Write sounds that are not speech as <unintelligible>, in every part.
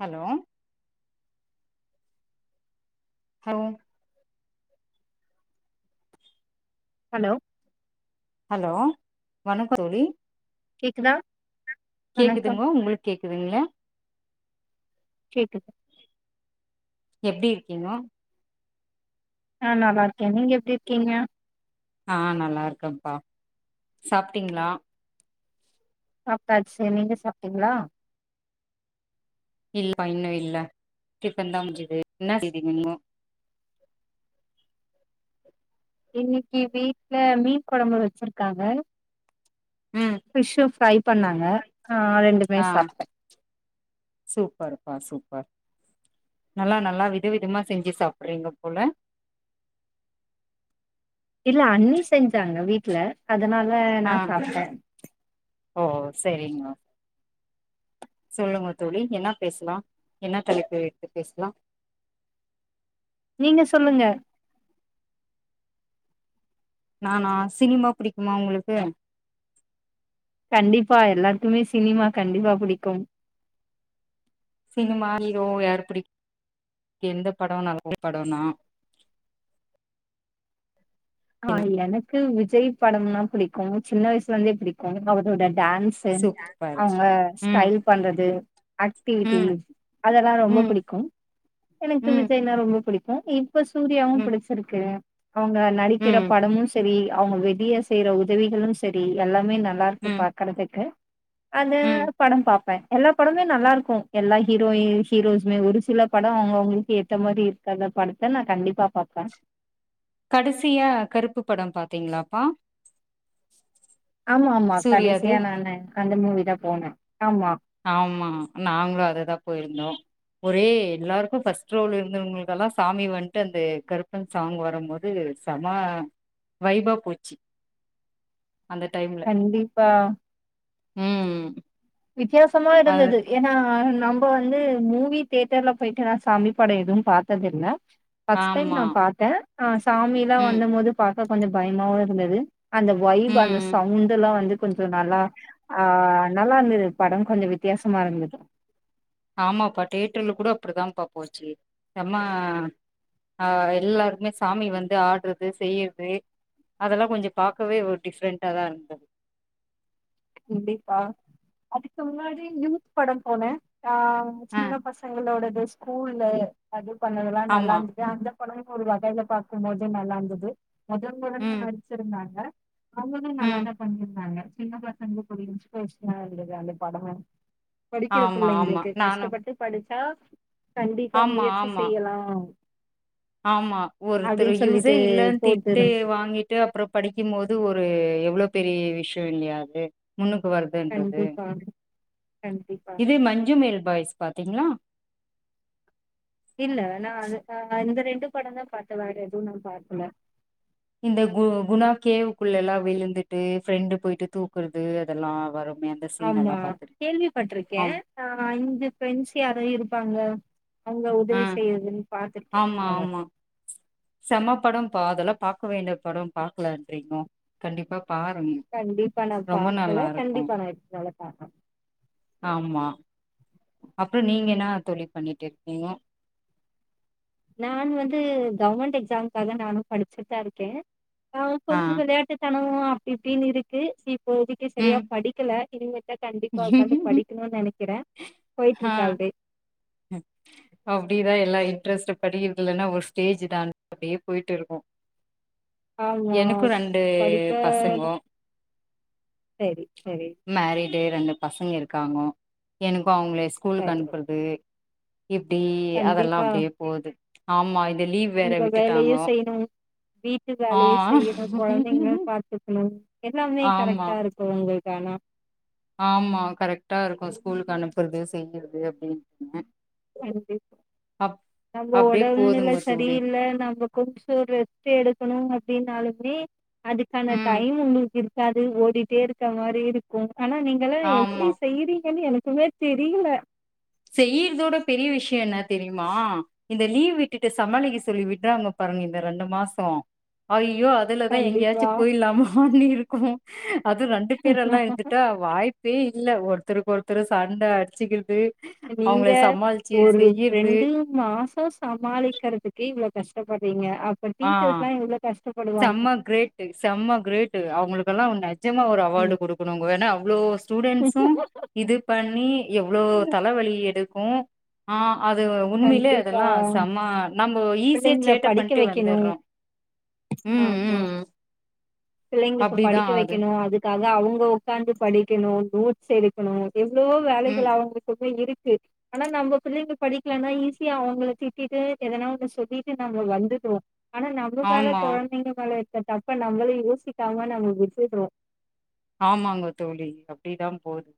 Hello ஹல் hello hello வணக்கோ தோழி கேக்குதா வணக்கம் கேக்குதும்மோ உங்ளுக் கேக்குதுங்ளா கேக்குது எப்டி இருக்கீங்கோ ஆ நல்லா இருக்கே நீங்க எப்பிடி இருக்கீங்க ஆ நல்லாருக்கப்பா சாப்ட்டீங்ளா சாப்ட்டாச்சு நீங்க சாப்ட்டீங்ளா இல் ப்பா இன்னு இல்ல டிஃபன் தா முடிச்சுது என்னா செய்தி <unintelligible> இன்னிக்கி வீட்ல மீன் கொழம்பு வச்சிருக்காங்க ஃபிஷ் ஃப்ரை பண்ணாங்க ஆ ரெண்டுமே அ சாப்ட்டே சூப்பர்ப்பா சூப்பர் <unintelligible> நல்லா நல்லா வித விதமா செஞ்சு சாப்பிட்றீங்கோ போல இல்ல அண்ணி செஞ்சாங்க வீட்ல அதனால ஆ நான் சாப்டன் ஓ சரி சொல்லுங்க தோழி என்ன பேசலாம் என்ன தலைப்பு எடுத்து பேசலாம் நீங்க சொல்லுங்க நானா சினிமா புடிக்குமா உங்களுக்கு கண்டிப்பா எல்லாருக்குமே சினிமா கண்டிப்பா புடிக்கும் சினிமா ஹீரோ யார் பிடிக்கு எந்த படம் நல்ல படம்னா ஆஹ் எனக் க்கு விஜய் படம்னா புடிக்கும் சின்ன வயசுலருந்தே புடிக்கும் அவரோட டான் டான்ஸு சூப்பர் அவங்க ம் ஸ்டைல் பண்றது ம் ஆக்டிவிட்டிஸ் அதெல்லாம் ரொம்ப ம் புடிக்கும் எனக்கு ம் விஜய்னா ரொம்ப புடிக்கும் <unintelligible> இப்ப சூர்யாவும் ம் புடிச்சிருக்கு அவங்க நடிப் கிற ம் படமும் சரி அவங்க வெளிய செய்ற உதவிகளு சரி எல்லாம் மே நல்லா இருக்கு ம் பாக்கறதுக்கு அது ம் படம் பாப்பன் எல்லா படமே நல்லா இருக்கு எல்லா ஹீரோயின் ஹீரோஸுமே ஒரு சில படம் அவங்கவுங்களுக்கு ஏத்த மாதிரி இருக்காத படத்தை நான் கண்டிப்பா பாப்பன் கடைசியா கருப்பு படம் பார்த்த தீங்களாகா ஆமா ஆமா கடைசியா நானு அந்த மூவி தான் போனே ஆமா ஆமா நாங்களும் அது தான் போயிருந்தோம் ஒரே எல்லாருக்கும் ஃபஸ்ட் ரோல இருந்தவங்களுக்கெல்லாம் சாமி வந்ட்டு அந்த கருப்பன் சாங் வரும்போது சம வைபா போச்சு கண்டிப்பா உம் ம் வித்தியாசமா அது இருந்தது ஏன்னா நம்ப வந்து மூவி தேட்டர்ல போயிட்டுலாம் சாமி படம் எதுவும் பாத்தது இல்லை ஃபர்ஸ்ட் டைம் ஆமா நான் பாத்தன் ஆஹ் சாமிலாம் ம் வந்த போது பாத் அப்ப கொஞ்சம் பயமாவும் இருந்தது அந்த வைப் அந்த ம் சவுண்ட்லாம் வந்து கொஞ்சம் நல்லா ஆஹ் நல்லா இருந்தது படம் கொஞ்சம் வித்தியாசமா இருந்துது ஆமாப்பா தேட்டர்ல கூட அப்டித்தான் பா போச்சு செம ஆஹ் எல்லாருக்குமே சாமி வந்து ஆடுறது செய்றது அதெல்லாம் கொஞ்சம் பாக்கவே ஒரு டிஃப்ரெண்டாதான் இருந்தது கண்டிப்பா அதுக்கு முன்னாடி யூத் படம் போனே ஆஹ் ஆ சின்ன பசங்களோடது ஸ்கூல்ல அது பண்ணதெல்லா ஆமா. நல்லாருந்துது அந்த ஒடம்பு ஒரு வகைல பாக்கும்போது நல்லாருந்துது மொதன் மொதல்ல ம், நடிச்சிருந்தாங்க அவுங்களு ம். நல்லாதா பண்ணிருந்தாங்க எங்க பாத் நம்புளுக்கொரு இன்ஸ்ப்ரேஷனா இருந்துது அந்த பட படிக்கிற ஆமா, ஆமா. பிள்ளைங்களுக்கு நானும் கஷ்டப்பட்டு படிச் கண்டிப்பா ஆமா, முயற்சி ஆமா, செய்யலா ஆமா ஒருத்தர் அப்டின்னு யூஸே சொல்லிட்டு இல்லன் திட்டு போட்டுருந்தே வாங்கிட்டு அப்றோ படிக்கிம் மோது ஒரு எவ் ளோ பெரிய விஷ்யொ இல்லியா அது முன்னுக்கு வருதுன்றது கண்டிப்பா கண்டிப்பா இதே மஞ்சுமெயில் பாய்ஸ் பாத்திங்னா இல்ல நா அத ஆ இந்த ரெண் டு படந்தா பாத்த வேற எது நா பாக்குல இந்த கு குணா கேவுக்குள்ளெல்லா விழுந்துட்டு ஃப்ரெண்டு போயிட்டு தூக்குறது அதெல்லா வரு ஆமா கேள்விபட்ருக்கே ஆம். ஆ அஞ்சு ஃப்ரெண்ட்ஸ் யாரோ இருப்பாங்க அவுங்க ஆ. உதவி செய்யறதுன் பாத்துருக்கே அவ்ளோதா செம்ம படம்ப்பா அதெல்லா பாக்க வேண்டிய ஒரு பட பாக்லன்றிங்கோ கண்டிப்பா பாருங்க. கண்டிப்பா நா ரொம்ப நல்லா பாக்கல இருக்கும். கண்டிப்பா நா இதுக்கு மேல பாப்ப ஆமா அப்றொ நீங்க என்னா தோழி பண்ணிட்டு இருக்கிங்கோ நான் வந்து கவர்மெண்ட் எக்ஸாம்காக நானு படிச்சுட்தா இருக்கே அ ஆ கொஞ்ச விளையாட்டுத்தனோ ஓ அப்டி இப்டின் இருக்கு சி இப்போதிக்கு சரியா ம் படிக்கல இனிமே தா கண்டிப்பா உக்காந்து படிக்குணுன் நெனக்கிறே ஆ போயிட்ருக்கு அப்டே அப்டிதா எல்லா இன்ட்ரெஸ்ட்டு படிக்றதில்லனா ஒரு ஸ்டேஜ் தான் அப்டியே போயிட்டுருக்கு ஆமா படிக்க பசங்கோ சேரி சரி டே ரெண்டு பசுங்க இருக்காங்கோ எனுக் ப்போ அவுங்ளே ஸ்கூலுக் சரி அனுப்புற்து இப்டி அதல்லா கண்டிப்பா அப்டே போது ஆம்மா இந்த லீவ் வேற உங்க வேலையு விட்டுட்டாங்கோ செய்யணு வீட்டு ஆ வேலையு செய்யணு கொழந்தைங்கள பாத்துக்கணு எல்லாமே ஆமா கரெக்ட்டாருக்கு ஒங்குள் தனா ஆமா கரெக்டா இருக்கு ஸ்கூல்க்கு அனுப்பற்து செய்யிற்து அப்டின் னு கண்டிப் நம்ப அப்டியே ஒடல்நில போதுங்க தோழி சரியில்ல நம்ப கொஞ்சோ ரெஸ்ட் எடுக்கணுங்க ப்டின்னாலுமே அதுக்கான ம் டைம் உங்குள்க் இர் காது ஓடிட்டே இருக்க மாரி இருக்கு ஆனா நீங்களா ஆமா எப்டி செய்றீங்கனு எனக் துமே தெரிய்ல செய்யிற்தோட பெரிய விஷ்ய என்ன தெரிய்மா இந்த லீவ் விட்டுட்டு சமாளிக்க சொல்லி விட்றாங்க பாருங்க இந்த ரெண்டு மாசோ அய் யோ அதுலதா எங்யாச்சு கண்டிப்பா பொயிற்லாமானு இருக் கோ அது ரெண்டு பேரெல்லா இர்ந்துட்டா வாய்ப்பே இல்ல ஒருத்தருக்கொருத்தரு சண்ட அடிச்சிகிறது நீங்க ஒரு ரெண்டு மாசோ சமாளிக்கறதுக்கே இவ்ளோ கஷ்டப்பட்றிங்க ஆ செம்ம கிரேட்டு செம்ம கிரேட்டு் அவுங்களுக்கெலா நெ நிஜமா ஒரு அவார்டு ம். குடுக்கணு ஏன்னா அவ்ளோ ஸ்டூடெண்ட்ஸு இது பண்ணி எவ்ளோ தலவலி எடுத் க்கு ஆ அது உண்மையிலே கண்டிப்பா. அதெல்லா செம நம்ம ஈஸியா பிள்ளைங்கள சேட்ட பண் படிக்க வைக்கணும். வந்தர்றோ ம் ஆமா. ம் பிள்ளைங்களுக்கு அப்டிதா படிக்க ஆவுது வெக்கணு அதுக்காக அவுங்க உக்காந்து படி க்கணு நோட்ஸ் எடுக்கணு எவ்ளோ ம் வேலைகள் அவுங்ளுக்கு போய் இருக் ஆனா நம்ப பிள்ளைங்க படிக்கலனா ஈஸியா அவங்கள திட்டிட்டு எதனா ஒன்ன சொல்லிட்டு நம்ப வந்துர்றோ ஆனா நம்ப வேல ஆமா கொழந்தைங்க கல த தப்ப நம்முளு யோ ச்சி கருமொன் நம்ம விட்டுட்றொ ஆமாங்க தோழி அப்டிதா போது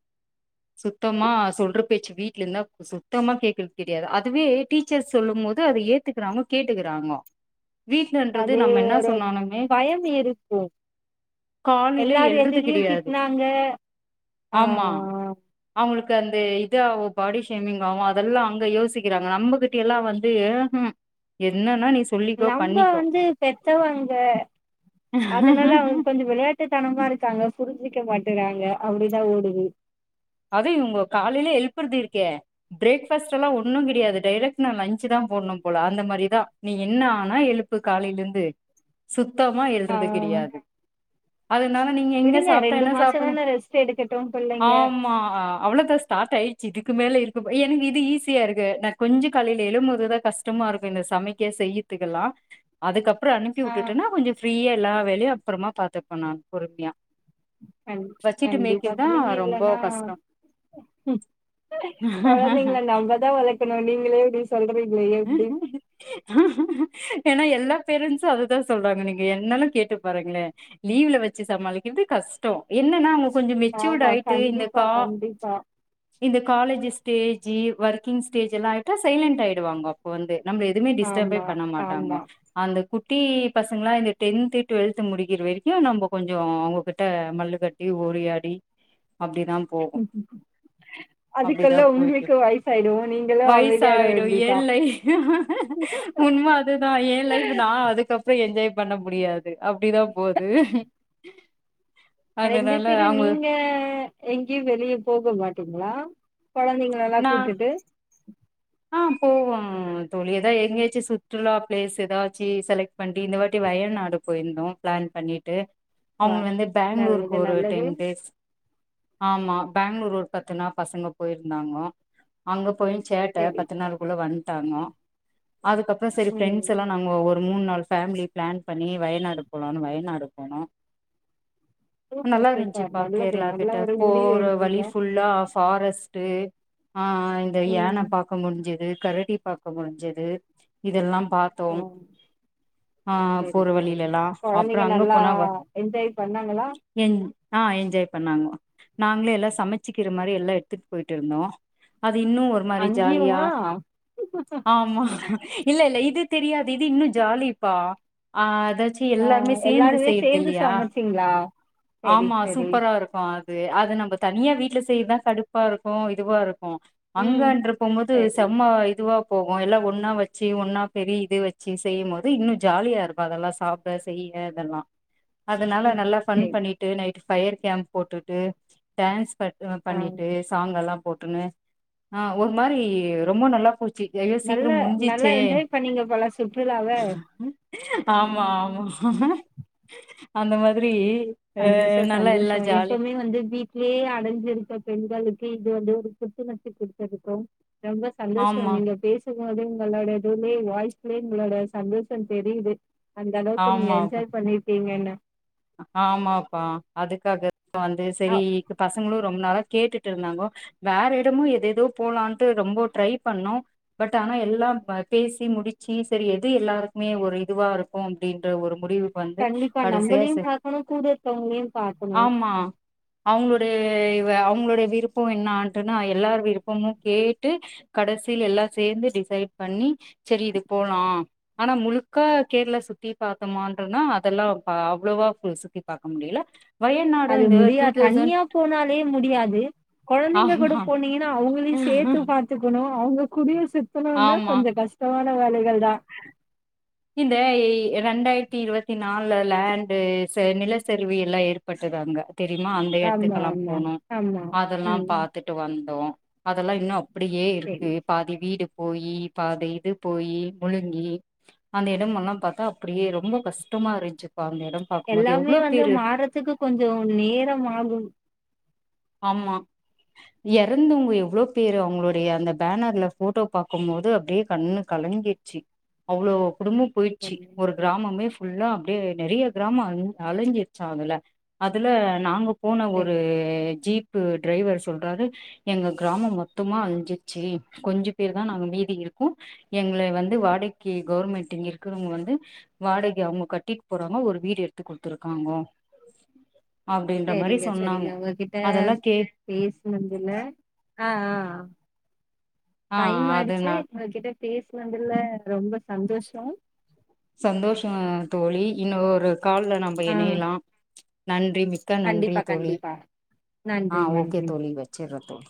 சுத்தமா சொல்ற பேச்ச வீட்லந்தா சுத்தமா கேக்றது கெடையாது அதுவே டீச்சர்ஸ் சொல்லும்போது அது ஏத்துக்குறாங்கொ கேட்டுக்குறாங்கொ அது ஒரு பயம் இருக்கு காலையில எல்லாரு எழுறது எதுத் லியு கிடையாது திட்னாங்க ஆ ஆமா அவங்களுக்கு அந்த இந்த இது ஆவு பாடி ஷேமிங் அவ அதெல்லா அங்க யோசிக்கிறாங்க நம்பக் கிட்ட எல்லா வந்து ம் என்னன்னா நீ சொல்லிக்கோ நம்ப பண்ணிக்கோ வந்து பெத்தவங்க அதனால அவுங்க கொஞ்சோ வெளையாட்டுத்தனமா இருக்காங்க. புரிஞ்சுக்க மாட்டேறாங்க அப்டிதா ஓடுது. அதுவும் இவுங்க காலையிலே எழுப்புறது இருக்கே, ஃப்ரேக்பாஸ்ட் எல்லாம் ஒண்ணு கிடையாது டேரக்ட்டா நா லன்ஞ்சுதா போடணும் போல அந்த மாரிதா நீ என்ன ஆனா எழுப்பு காலையில இருந்து சுத் சுத்தமா ஆ எழுறது கெடையாது. அதனால நீங்க எங்க விடுங்க சாப்டா ரெண்டு என்ன மாசோ சாப்டலானா தான ரெஸ்ட் எடுக்கட்டு பிள்ளைங்க ஆம் அ அவ்ளோதா ஸ்டார்ட் ஆயிடுச்சு இதுக்கு மேல இருக்கு எனக்கு இது ஈஸியா இருக்கு நா கொஞ்சோ காலையில எழும்பதுதா கஷ்டமா இருக்கும் இந்த சமைக்க செய்யதுக்கெல்லா அதுக்கப் <unintelligible> அனுப்பி ஆ விட்டுட்டனா கொஞ்சோ ஃப்ரீயா எல்லா வெளிய அப்பறமா பாத்துக்குவே நானு பொறுமையா. வச்சுட்டு மேய்க்கிறதா கண்டிப்-கண்டிப்பாத்தானங்க ரொம்ப இல்லன்னா கஷ்டோ ஆ கொழந்தைங்கள நம்மதா வளர்க்கணு நீங்களே இப்டி சொல்றீங் ம் ஏன்னா எல்லா பேரண்ட்ஸு அதுதா சொல்றாங்க நீங்க என்னாலும் கேட்டு பாருங்களே லீவ்ல வச்சு சமாளிக்கிறது கஷ்டோ என்னன்னா. கொஞ்சோ மெச்சூர்ட் ஆமா ஆயிட்டு இந்த கண்டிப்பா கா கண்டிப்பா இந்த காலேஜஸ் ஸ்டேஜி ஒர்க்கிங் ஸ்டேஜி எல்லா ஆயிட்டா சைலண்ட் ஆகிடுவாங்கோ. இப்ப வந்து நம்மள எதுவுமே டிஸ்டப்பே ஆமா பண்ண மாட்டாங்கோ ஆமா அந்த குட் சுட்டி பசங்களாம் இந்த டென்து டுவெல்த் முடிக்கிற வரைக்கும் நம்ம கொஞ்சோ அவுங்ககிட்ட மல்லு கட்டி ஓடியாடி அப்டிதா போகு ம் ம் அப்டிதா அதுக்கெல்லா போயிட்டு உங்களுக்கு வயசாயிடு நீங்களும் அமைதியாயிட வேண்டிதா. உண்மை அதுதா லைப் நா அதுக்கப்பறோ என்ஜாய் பண்ண முடியாது அப்டிதான் போது. ம்ம். ரெண்டு பேரும் நீங்க எங்கயு வெளிய போக மாட்டீங்களா. கொழந்தைங்களல்லா நா கூப்டுட்டு ஆ போவோம் தோழி ஏதா எங்கேயாச்சும் சுற்றுலா ஃப்ளேஸ் எதாச்சு செலக்ட் பண்ட்டு இந்த வாட்டி வயநாடு போயிருந்தோ ஃப்ளான் பண்ணிட்டு வா அவுங்க வந்து பெங்களூருக்கு நல்லது ஒரு நல்லது டைன் டேஸ் ஆமா பெங்களூர் ஒரு பத்துநா பசங்க போயிருந் இருந்தாங்கோ அங்க போயு சேட்ட செரி பத்து செரி நாளுக்குள்ள வன்டாங்கோ. அதுக்கப்பறோ செரி ஃப்ரெண்ட்ஸ் ம் எல்லா நாங்க ஒர் ஒரு மூணு நாள் ஃபேமிலி ஃப்ளான் பண்ணி வயநாடு போலான்னு வயநாடு போனோ. சூப்பர் நல்லா சூப்பர் இருந்துச்சுப் பாக்க நல்லது கேரளா நல்ல கிட்ட ஒரு முடிவு போற வலி எடுத்தீங்க ஃபுல்லா ஃபாரஸ்ட். ட்டு. ஆ ஆ இந்த யானை ம் பாக்க முடிஞ்சுது. கரடி பாக்க முடிஞ்சது இதெல்லாம். ஆ பார்த்தோம் ஆ செரி போற வழியில செரி எல்லா அப்றோ கொழந்தைங்க அங்க நல்லா போனா வ என்ஜாய் பண்ணாங்களா என் ஆ என்ஜாய் பண்ணாங்க நாங்ளே எல்லா சமச்சிக்கிற மாரி எல்லா எட் த்துட்டு போயிட்டு வந்தோ அ து இன்னு ஒரு மாரி ஜாலியா அங்கேயுமா ஆமா இல்ல இல்ல இது தெரியாது இது இன்னு ஜாலிப்பா ஆ ஏதாச்சி ஆ எல்லாமே சேந்து எல்லாருமே சேந்து செய்றதில்லையா சமச்சீங்களா செரி ஆமா செரி சூப்பரா இருக்கு அ து அது நம்ப தனியா வீட்ல செய்யதா கடுப்பா இருக்கு இதுவா இருக் கு ம் அங்கன்றபோ போது செரி செம்ம இதுவா போகு எல்லா ஒன்னா வச்சி ஒன்னா பெரிய இது வச்சி செய்யும்போது இன்னு ஜாலியா இருக்கு அதெல்லா சாப்ட செய்ய இதெல்லா அதனால ம் நல்லா ஃபண் செரி நைட்டு பஃபயர் கேம்ப் போட்டுட்டு டான்ஸ் ப ஆ பண்ணிட்டு சாங்கல்லா போட்டுன்னு ஆ ஒரு மாரி ரொம்ப நல்லா போச் நல்லா நல்லா என்ஜாய் பண்ணீங்க போல சுற்றுலாவ ஆமா ஆமா அந்த மாதிரி அ சந்தோச நல்லா சந்தோச எல்லா ஜாலி எப்போமே வந்து வீட்லயே அடஞ்சிருக்குற பெண்கள் இது வந்து ஒரு புத்துணர்ச்சி குடுத்துருக்கும் ரொம்ப சந்தோஷம் ஆமா நீங்க பேசு ம் போதே உங்களோட இதுமே வாய்ஸ்லயே உங்களோட சந்தோசந் தெரியுது அந்த அளவுக்கு நீங்க ஆமா என்ஜாய் பண்ணிருக்கீங்கன்னு ம் ஆமாப்பா அதுக்காக வந்து அ செரி பசங்களு ரொம் நாளா கேட்டுட்ருந்தாங்கோ வேற எடமு எதேதோ போலான்ட்டு ரொம்போ ட்ரை பண்ணோ பட் ஆனா எல்லாம் ப பேசி முடிச்சி செரி எது எல்லாருக்குமே ஒரு இதுவா இருக்கு அப்டின்ற ஒரு முடிவுக்கு வந்து கண்டிப்பா கடசியா நம்மளையு து பாக்கணு கூட இருக்கவங்களையு பாக்கணு ஆமா அவுங்களோட வ அவுங்களோடைய விருப்பொ என்னான்ட்டுனா எல்லார் விருப்பமு கேட்டு கடசில் எல்லா சேந்து டிசைட் பண்ணி செரி இது போலா ஆனா முழுக்க கேர்ளா சுத்தி பாத்தோமான்றனா அதெல்லா பா அவ்ளவா சுத்தி பாக்க முடியல அது இந்த முடியா டூ தௌசண்ட் தனியா போனாலே முடியாது கொழந்தைங்க கூட ஆமா போனீங்கன்னா அவுங்களையு சேத்து பாத்துக்கணு அவுங்க கூடியு சுத்துணோனா ஆமா கொஞ்சொ கஸ்டம் ன வேலைகள்தா இந்த இ ரெண்டாயிரத்தி இருவத்தி நால்ல லேண்டு ச நிலச்சரிவு எல்லா ஏற்பட்டதங்க தெரியுமா அந்த ஆமா எடத்துக்கெல்லா ஆமா போனோ ஆமா அதெல்லா ம் பாத்துட்டு வந்தோ அதெல்லா இன்னு ப்படியே இருக்கு செரி பாதி வீடு போயி பாதி இது போயி முழுங்கி அந்த எடமல்லா பாத்தா அப்படியே ரொம்ப கஷ்டமா இருந்ச்சு எல்லாமே வந்து மார்றதுக்கு கொஞ்சோ நேரமாகு ஆமா எறந்தவங்க எவ்ளோ பேரு அவங்களுடைய அந்த பேனர்ல ஃபோட்டோ பாக்கும்போது அப்டியே கண்ணு கலங்கிட்ச்சி அவ்ளோ குடும்போ போயிட்ச்சி ஒரு கிராமமே எல்லா அப்டியே நெறையா கிராமோ அ அழிஞ்சிருச்சா அதுல அதுல நாங்க போன ஒரு செரி ஜீப்பு டிரைவர் சொல்றாரு எங்க கிராமோ மொத்தமா அழிஞ்சிச்சி கொஞ்ச பேர் தா நாங்க மீதி இருக்கோ எங்கள வந்து வாடைக்கி கவ்ர்மெண்ட் இங்க இருக்கிறவங்க வந்து வாடக அவங்க கட்டிட் போறாங்க ஒரு வீடு எடுத்து குடுத்துருக்காங்கோ அப்டின்ற மாரி செரிங்க செரிங்க சொன்னாங்கோ உங்ககிட்ட ஆ அதெல்லா கே பேஸ்னதுல ஆஹ் ஆஹ் ஆ டைம் அது நா ஆயிடுச்சு உங்ககிட்ட பேஸ்னதுல ரொம்ப சந்தோஷோ சந்தோஷோ தோழி இன்னோரு கால்ல நம்ப ஆ எணையலா நன் றி மிக்க நன்றி கண்டிப்பா தோழி கண்டிப்பா நன்றி ஆஹ் நன்றி ஓகே தோழி வச்சட்றே தோழி